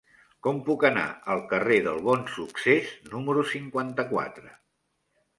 Com puc anar al carrer del Bonsuccés número cinquanta-quatre?